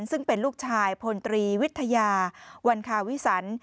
ซึ่งเป็นลูกชายพลตรีวิทยาวันคาวิสัน